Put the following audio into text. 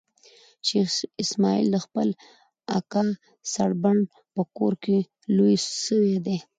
شېخ اسماعیل د خپل اکا سړبن په کور کښي لوی سوی دئ.